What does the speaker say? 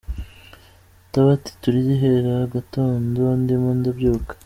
tabati turya ihera agatondo ndimo ndabyuka.